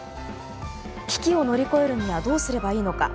危機を乗り越えるにはどうすればいいのか。